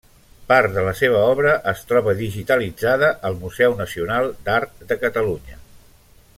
Part de la seva obra es troba digitalitzada al Museu Nacional d'Art de Catalunya.